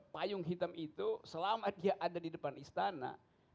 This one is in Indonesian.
payung hitam itu selama dia ada di depan istana